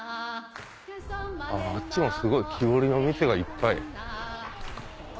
あっちもすごい木彫りの店がいっぱい。